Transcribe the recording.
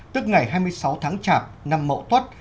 tức ngày hai mươi sáu tháng chạp năm mậu tuất